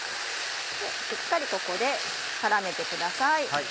しっかりここで絡めてください。